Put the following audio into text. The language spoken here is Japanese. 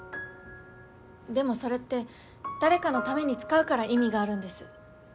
でもそれって誰かのために使うから意味があるんです。